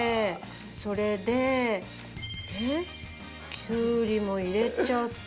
それできゅうりも入れちゃって。